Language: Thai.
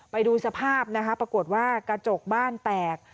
ไปดูสภาพนะคะปรากฏว่ากระจกบ้านแตก